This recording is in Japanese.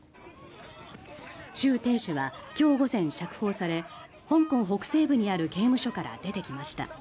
シュウ・テイ氏は今日午前、釈放され香港北西部にある刑務所から出てきました。